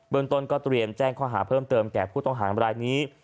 เมืองต้นก็เตรียมแจ้งข้อหาเพิ่มเติมแก่ผู้ต้องหามรายนี้